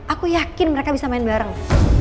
aku yakin mereka bisa main bareng